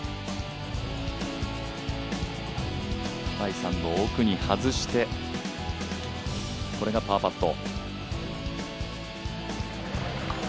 第３打を奥に外してこれがパーパット。